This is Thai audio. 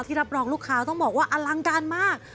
รับรองลูกค้าต้องบอกว่าอลังการมาก